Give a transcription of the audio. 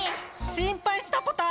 しんぱいしたポタ。